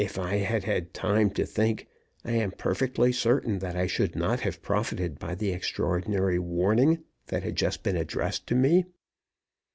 If I had had time to think, I am perfectly certain that I should not have profited by the extraordinary warning that had just been addressed to me.